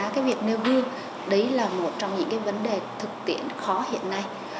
các việc nêu gương đấy là một trong những vấn đề thực tiễn khó hiện nay